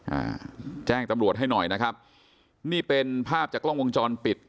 อ่าแจ้งตำรวจให้หน่อยนะครับนี่เป็นภาพจากกล้องวงจรปิด